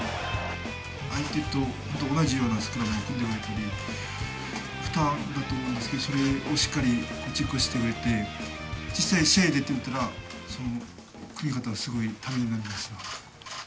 相手と同じようなスクラムを組んでくれたり、負担だと思いますけれども、それをしっかりチェックしてくれて、そして実際、試合に出てみたら、組み方がすごいためになります。